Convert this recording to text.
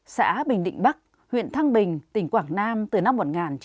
xã bình định bắc huyện thăng bình tỉnh quảng nam từ năm một nghìn chín trăm bảy mươi